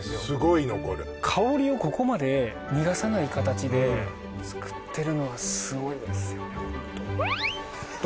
すごい残る香りをここまで逃がさない形で作ってるのがすごいですよね